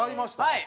はい。